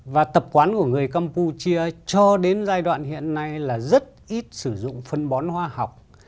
và tập quán của người campuchia cho đến giai đoạn hiện nay là rất ít sử dụng phân bón hoa học